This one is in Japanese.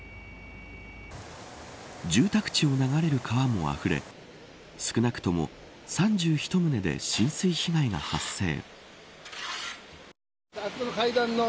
住宅地を流れる川もあふれ少なくとも、３１棟で浸水被害が発生。